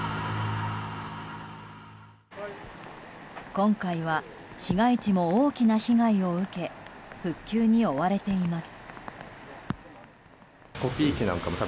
今回は市街地も大きな被害を受け復旧に追われています。